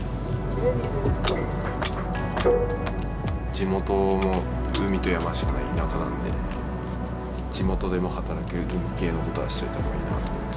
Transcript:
地元も海と山しかない田舎なんで地元でも働ける海系のことはしといた方がいいなと思って。